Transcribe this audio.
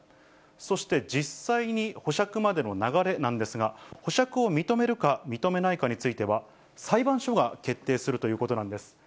そして実際に保釈までの流れなんですが、保釈を認めるか認めないかについては、裁判所が決定するということなんです。